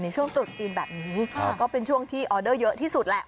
ช่วงตรุษจีนแบบนี้ก็เป็นช่วงที่ออเดอร์เยอะที่สุดแหละ